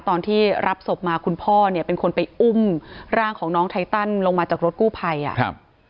ตอนที่รับศพมาคุณพ่อเนี่ยเป็นคนไปอุ้มร่างของน้องไทตันลงมาจากรถกู้ภัยอ่ะครับ